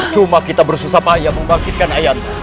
cuma kita bersusah payah membangkitkan ayah anda